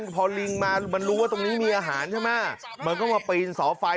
พอลิงมาลูกว่ามีอาหารถึงก็มาปีนสองไฟ